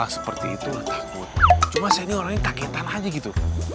seperti itu takut cuman saya orangnya kagetan aja gitu